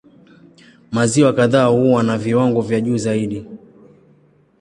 Maziwa kadhaa huwa na viwango vya juu zaidi.